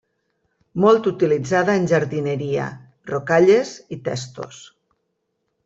Molt utilitzada en jardineria, rocalles i testos.